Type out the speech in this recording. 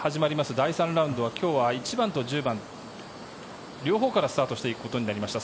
第３ラウンドは今日は１番と１０番両方からスタートしていくことになりました。